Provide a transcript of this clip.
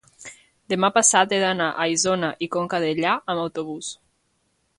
demà passat he d'anar a Isona i Conca Dellà amb autobús.